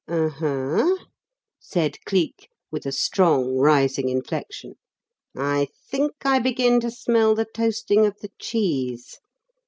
"Oho!" said Cleek, with a strong rising inflection. "I think I begin to smell the toasting of the cheese.